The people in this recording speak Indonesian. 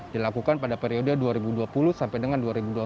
dilakukan pada periode dua ribu dua puluh sampai dengan dua ribu dua puluh empat